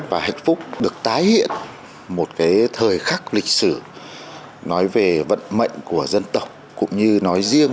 và hạnh phúc được tái hiện một cái thời khắc lịch sử nói về vận mệnh của dân tộc cũng như nói riêng